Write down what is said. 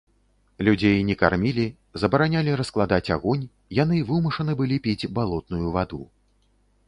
Людзей не кармілі, забаранялі раскладаць агонь, яны вымушаны былі піць балотную ваду.